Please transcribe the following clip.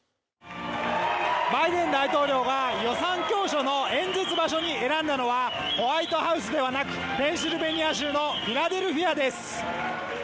バイデン大統領が予算教書の演説場所に選んだのは、ホワイトハウスではなくペンシルベニア州のフィラデルフィアです。